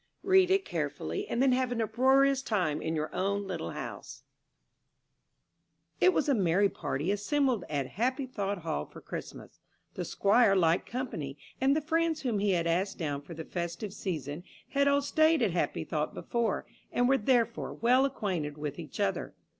Read it carefully, and then have an uproarious time in your own little house_.] It was a merry party assembled at Happy Thought Hall for Christmas. The Squire liked company, and the friends whom he had asked down for the festive season had all stayed at Happy Thought Hall before, and were therefore well acquainted with each other.